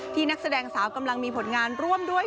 นักแสดงสาวกำลังมีผลงานร่วมด้วย